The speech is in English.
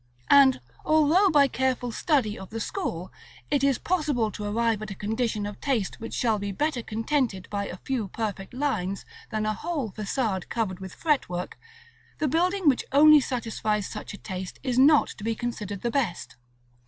And although, by careful study of the school, it is possible to arrive at a condition of taste which shall be better contented by a few perfect lines than by a whole façade covered with fretwork, the building which only satisfies such a taste is not to be considered the best.